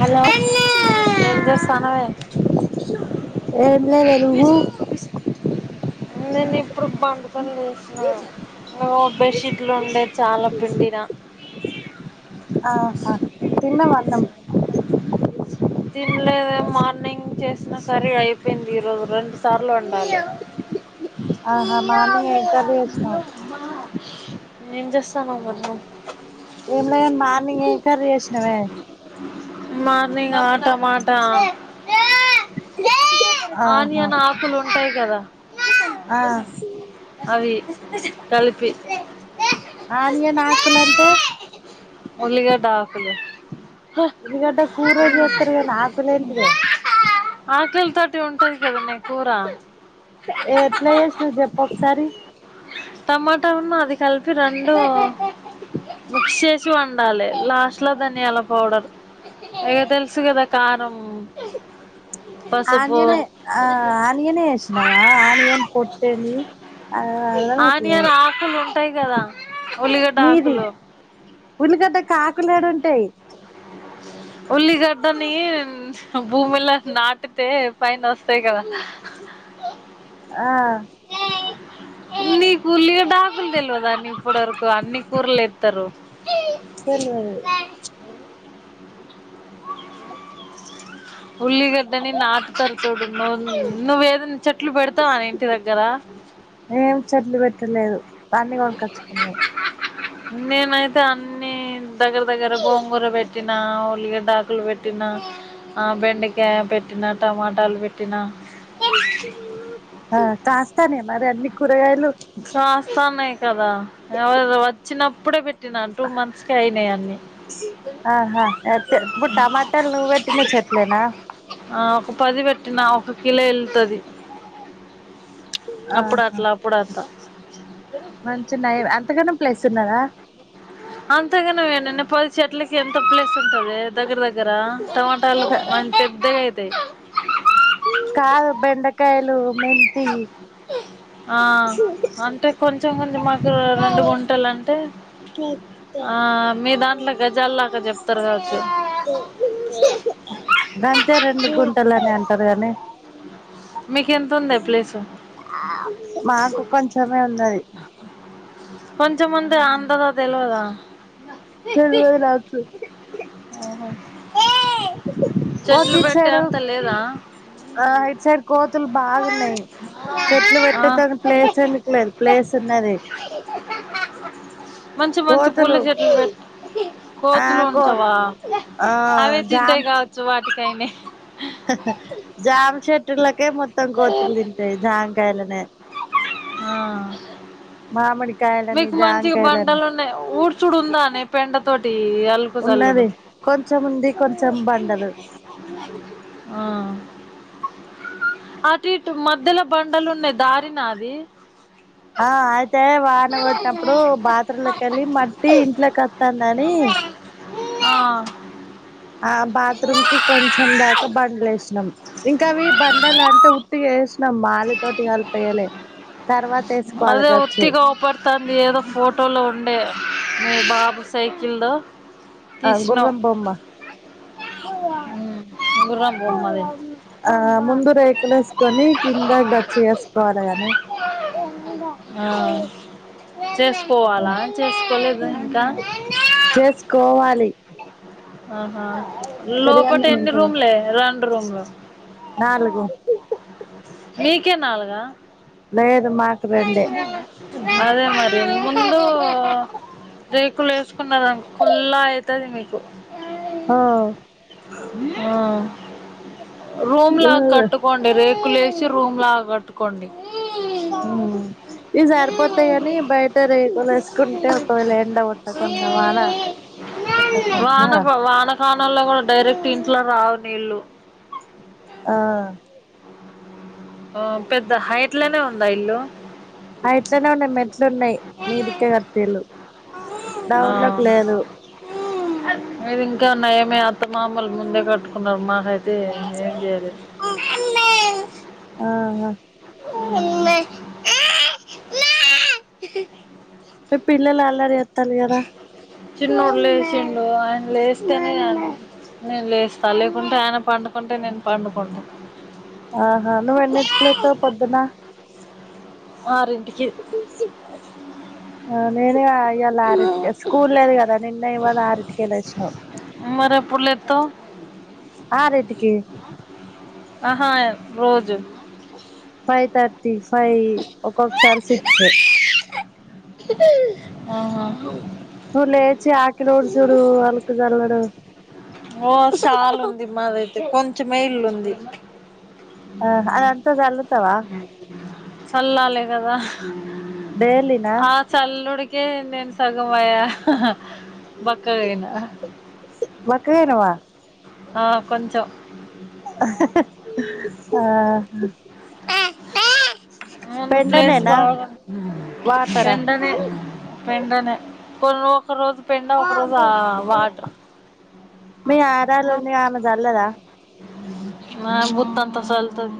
Hello ఎమ్ చేస్తానవే ఏం లేదే నువ్వు ఆ లో బెడ్షీట్లుండే చాలా పిండినా [inaudible] ఆహా తిన్నాం అన్నం తినలేదే మార్నింగ్ చేసిన కర్రీ అయిపోయింది ఈ రోజు రెండు సార్లు వండాలి ఆహా మార్నింగ్ ఏం కర్రీ చేసినావు ఏం చేస్ తను ము [unintelligible] ఏమి లే మార్నింగ్ ఏం కర్రీ చేసినవే మాటా ఆహా ఆనియన్ ఆకులు ఉంటాయి కదా ఆ అవి కలిపి ఆనియన్ ఆకులంటే ఉల్లిగడ్డ ఆకులు ఉల్లిగడ్డ కూర చేత్తరుగాని ఆకులేంటిదే ఆకులు తోటి ఉంటది కద మే కూర ఎట్ల చేస్తివ్ చెప్ప్ ఒకసారి టమాటా ఉన్ను అది కలిపి ర అండూ మిక్స్ చే చి వండాలి లాస్ట్ లో ధనియాల పౌడర్ ఇక తెలుసు కదా కారం పసుపు ఆనియనే ఆ ఆనియనే ఏసినావా ఆనియన్ పొట్టేని అ అర్ధమైతలేదు ఆనియన్ ఆకులు ఉంటాయి కదా ఉల్లిగడ్డ మీది ఆకులు ఉల్లిగడ్డకు ఆకులేడుంటయ్ [unintelligible] ఉల్లిగడ్డని భూమిలో నాటితే పైనొస్తాయి కదా ఆ కున్ని ఉల్లిగడ్డకులు తెల్వదా ఇప్పటి వరకు అన్ని కూరలు ఎతరు తెల్వది ఉల్లిగడ్డని నాటుతరు చూడు నువ్వే చెట్లు పెడతావానే ఇంటి దగ్గర ఏం చెట్లు పెట్టలేదు అన్నీ కొనకోచుకున్లే నేనైతే అన్నిీ దగ్గర దగ్గర గోంగూర పెట్టినా ఉల్లిగడాకులు పెట్టినా ఆ బెండకాయ పెట్టినా టమాటాలు పెట్టినా ఆ కాస్తానే మరి అన్ని కూరగాయలు [unintelligible] సమ కదా చిన్నప్పుడే పెట్ ఆహా ఇప్పుడు టమాటలు నువ్వు పెట్టిన చెట్లేనా ఆ ఒక పది పెట్టిన ఒక కిలో ఎల్తది అప్పుడు అట్లా అప్పుడు అట్లా [inaudible] మంచి నయమే ఆ అంత గణం ప్లేస్ ఉన్నాదా అంతగనం ఏడన్ననా పది చెట్లకి ఎంత ప్లేస్ ఉంటదే దగ్గర దగ్గర టమోటాలు మంచి తే కాదు బెండకాయలు మెంతి ఆ అంతే కొంచెం కొంచెం మాకు రెండు గుంటలు అంటే ఆ మీ దాంట్లో గజాల్లాక చెప్తారు కావచ్చు అంతే రెండు గుంటలు అని అంటారు గానీ మీకు ఎంత ఉందే ప్లేసు మాకు కొంచమే ఉన్నది [inaudible] కొంచ ముంది అందదా తెలివదా తెలువదు నాకు [inaudible] పోక్ చెట్లు ఇట్ పెట్టే సైడ్ అంత లేదా ఆ ఇట్ సైడ్ కోత్ తులు బాగున్నాయి. చెట్లు ఆ పెట్టేతనికి ప్లేస్ ఎందుకలేదు ప్లేస్ ఉన్నది. మంచి మంచి పూల కోతులు చెట్లు పెట్ ఆ కోతులు కో ఉంచవా ఆ అవే తింటాయి జామ్ కావచ్చు. వాట్ టీకాన్నే జామ్ చెట్ ట్టులకే మొత్తం కోతులు తింటాయి. జాంకాయలనే ఆహ్ మామిడి మీకు మంచిగా బండలు ఉన్నాయి. ఊడ్చుడుందానే పెండ తోటి అలుకు జల్లుడు ఉన్నది కొంచెం ఉంది. కొంచెం బండలు ఆ అటు ఇటు మధ్యలో బండలు ఉన్నాయి. దారినా అది ఆ ఆద్ అయితే వాన పడ్తప్పుడు బాత్రూమ్లకెళ్ళి మట్టి ఇంట్లకొత్తందని. ఆహ్ ఆ బాత్రూమ్ కి కొంచెం దాకా బండలు ఏసినాం. ఇంకా అవి బండలు అంటే ఉట్టిగా ఏసినాం. మాల్తోటి కలిపేయాలే తర్వాత ఏసుకోలగచ్చు. తంది ఏదో ఫోటోలో ఉండే. మీ బాబు సైకిల్ దో ఆ గుర్రం బొమ్మ. గుర్రం బొమ్మది ఆ ముందు రేకులు ఏసుకొని కింద గచ్ ఏసుకోవాలేగాని. ఆ చేసుకోవాలా, చేసుకోలేద ఇంకా. చేసుకోవాలి ఆహ్ హా పెరుగన్నం లోపటేన్ని తింటవా రూమ్లే రొం డ్రూమ్ల నాలుగు మీకే నాలుగా లేదు మాకు రెండే. అదే మరి మున్ రేకులు ఏసుకున్నారనిక్కో కుల్లా అయితది. మీకు ఆ ఆ రూమ్ లా కట్టుకోండి. రేకులేసి రూమ్లా కట్టుకోండి. ఆహ్ ఇవి సరిపోతాయి కాని. బయట రేకులేసుకుంటే ఒకవేళ ఎండ కొట్టకుండా. వాన కొట్టకుండా వాన ప వాన కాలంలో కూడా డైరెక్ట్ ఇంట్లో రావు నీళ్ళు ఆ ఆ పెద్ద హైట్లానే ఉందా. ఇల్లు ఐట్లనే ఉన్నాయి మెట్లున్నాయి. మీ దిక్కే కట్టిళ్ళు దౌన్లోక్ లేదు. మీది ఇంకా ఉన్నాయమే. అత్త, మామలు ముందే కట్టుకున్నారు. మాకయితే తే ఏం చేయలే ఆ హా న్నా పిల్లలు అలారే చిన్నోడు లేచిండు ఆయన లేస్తేనే నేను లేస్తా లేకుంటే ఆయన పండుకుంటే నేను పండుకుంటా ఆహా నువ్వు ఎన్నటికి లేస్తావ్ పొద్దున్న [unintelligible] ఇచ్చి ఆ నేనే ఈయల ఆరిటిక స్కూల్ లేదు కదా నిన్న ఇవవాళ అరిటికె వచ్చినావు మరి [unintelligible] ఆ రేటికి ఆహా రోజు ఫైవ్ త [unintelligible] ఫైవ్ ఒక్కొక్కసారి సిక్స్ ఆహా నువ్వు లేచి ఆకిలు ఊడ్సుడు అల్కుజల్లుడు ఓ చాల ఉంది మాదైతే కొంచమే ఇల్లుంది ఆ అదంత చల్లుతవా చల్లాలి కదా డైలీనా ఆ చల్లుడు కే నేను సగమయ బక్క గైనా [unintelligible] ఆ కొంచం ఆ ముందు ప్లేస్ పెండనేనా బాగు వాటరా పెండనే పెండనే కొను మీ ఆరాలో ఉంది ఆమె చల్లదా మా బుత్త అంత చల్తది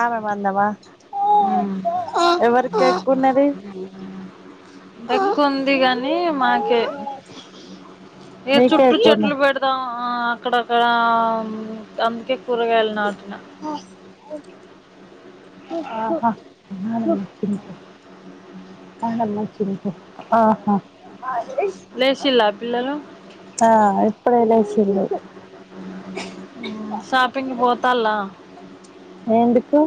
ఆమె మందమా ఎవరికి ఎక్కువ ఉన్నది తక్కువ ఉంది గానీ [unintelligible] మాకే ఏ మీకే చుట్టూ చెట్లు ఎక్కువున్నది పెడదాం ఆ అక్కడక్కడ అందుకే కూరగాయలు నాటు ఆహ [unintelligible] అల్లం మంచిది తిం ఆహా దిస్ లేసిల్లా పిల్లలు ఆ ఇప్పుడెనా ఇచ్చిల్లు షాపింగ్ పోతాల్ల ఎందుకు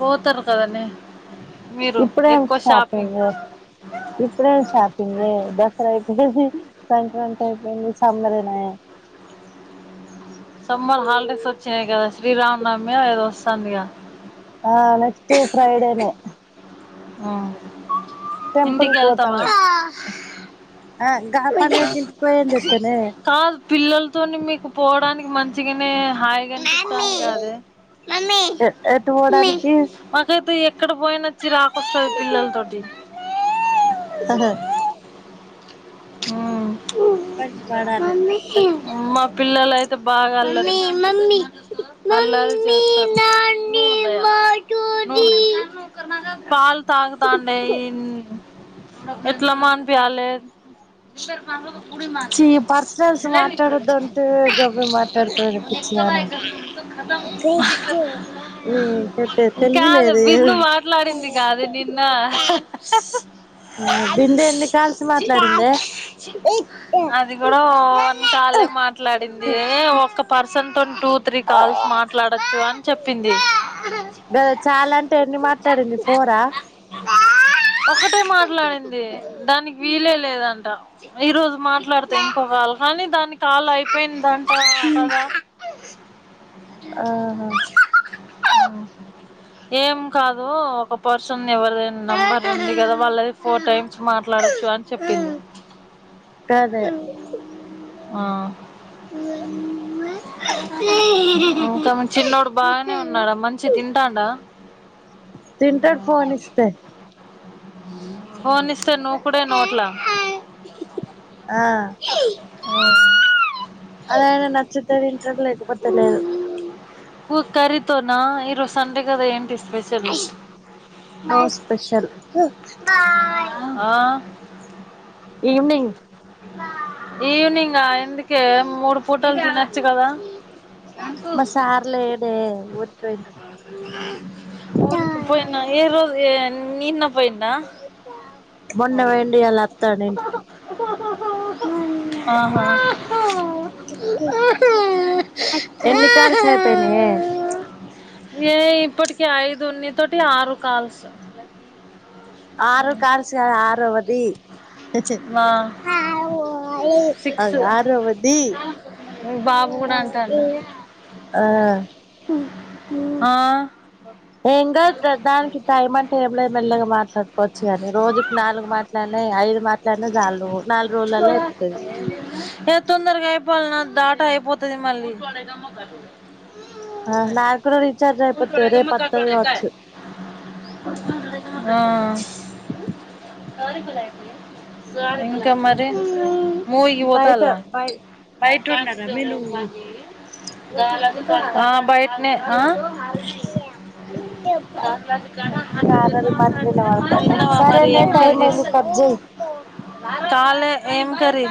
పోతరు కదనే ఇప్పుడేం షాపింగ్ ఇప్పుడేం షాపింగ్ ఏ దసరా అయిపోదిహ్ సంక్రాంతి అయిపో మొన్న సంబర న సమ్మర్ హాలిడేస్ వచ్చాయి కదా శ్రీరామనమి ఏదో వస్తాంది ఇగ టూ ఫ్రై డేనె ఆ ఇంటికి కి వెళ్తవ పోతాం ఆ గా పండగకి ఇంటికి పోయని చెప్పానే కాదు పిల్లలతోని మీకు పోడానికి మంచిగానే హయ్ మామ్మి మమ్మి ఎటు పోవడానికి మమ్మ ఇక్కడ పోయిన చిరాక్ వస్తద్ పిల్లలతోటి ఇబ్బంది ఆ పడాలి తప్పదు మా పిల్లలయితే బాగా అల్లరి పాల్ తాగుతాండే ఇన్ ఎట్ల మానిపియా లె విషర్ [unintelligible] కుడి మాచె ఛీ పర్సనల్స్ జిలేబీ మాట్లాడొద్దు ఖాతెహె అంటే గవ్వే మాట్లాడుతావే పిచ్చిదానా నీకంటే తెలివి కాదు లేదు బిందు మాట్లాడింది కాదు నిన్న ఆ బిందె ఎన్ని కాల్స్ మాట్లాడిందే అది కూడ ఒన్ కాలే మాట్లాడింది ఎ ఒక్క పర్సన్ తో టూ త్రీ కాల్స్ మాట్లాడొచ్చు అని చెప్పింది గద్ చాల అంటే ఎన్ని మాట్లాడింది ఫోరా ఒకటే మాట్లాడింది దానికి వీలే లేదంటే ట ఈ రోజు మాట్లాడితే ఇంకో కాల్ కానీ దాని కాళ్ అయిపోయింది దా ఉమ్ ఆహ ఏం కాదు ఒక పర్సన్ ఎవరిదైనా నంబర్ ఉంది కదా వాళ్ళది ఫోర్ టైమ్స్ మాట్లాడొచ్చు అని చెప్పింది గదే ఆ ఇంక చిన్నోడు బాగానే ఉన్నాడ మంచి తింటాండ తింటాడ్ ఫోన్ ఇస్తె ఫోన్ ఇస్తే నువ్వు కూడ నోట్ల ఆ ఆ అదైనా నచ్చతుది లేకపోతేలేదు ఊకరీతోనా ఈ రోజు సండే కదా ఏంటిస్త పైసలు నో స్పెషల్ ఆ ఈవనింగ్ ఈవినింగ్ ఎందుకే మూడు పూటలు తినొచ్చు కదా మ సార్లేడే ఊరికి పోయిండు ఊరుకి పోయిన్న ఏ రోజు ఏ నిన్న పోయిన మొన్న పోయిండు అ మమ్మే ఆ హ ఎన్ని కాల్స్ అయిపోయినే ఏ ఇప్పటికి ఐదున్న తోటి ఆరు కాల్స్ ఆరు కాల్స్ కాదు ఆరువది మా సిక్స్ ఆరోవది బాబు కూడా అంటాండ్ ఆ ఆ ఏంకా దానికి టైం అంటే ఏమిలే మెల్లగా మాట్లాడుకోవచ్చు కాని రోజుకి నాలుగు మాట్లాడినాయిఐ మాట్లాడిన రాళ్లు నాలుగు రోజులల్లో చెప్తది ఏ తొందరగా అయిపోలనా డేటా అయిపోతది మళ్ళీ ఆ నాకు కూడా రీఛార్జ్ అయిపోతే రేపుత్తది కావచ్చు గరి గులయి [unintelligible] ఇంకా మరి మూవిగి బయట పోతల బయ బయట ఉన్నారా మీ నువ్వు ఆ బై అట్నె ఆ అరరి మాటలు వినబడతాన్నాయి తిన్నావా మరి సరేనే ఏమి కర్రి టైం అయింది జేస్ కట్ చెయ్ [unintelligible] కాలే ఏం కర్రి